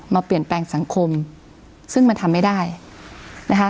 มาเปลี่ยนแปลงสังคมซึ่งมันทำไม่ได้นะคะ